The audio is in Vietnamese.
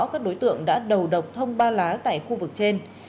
các đối tượng đã đầu độc thông ba lá tại khu vực trên